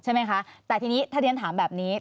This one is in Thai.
ใช่ไหมคะแต่ทีนี้ถ้าเรียนถามแบบนี้